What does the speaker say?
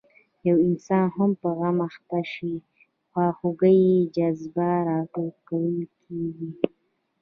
یو انسان په غم اخته شي خواخوږۍ جذبه راوټوکېږي.